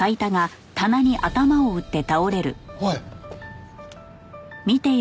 おい。